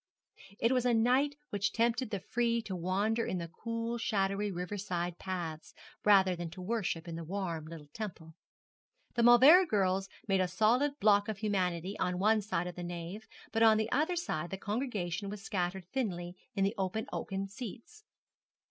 It was a night which tempted the free to wander in the cool shadowy river side paths, rather than to worship in the warm little temple. The Mauleverer girls made a solid block of humanity on one side of the nave, but on the other side the congregation was scattered thinly in the open oaken seats.